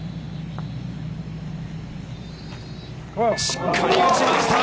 しっかり打ちました！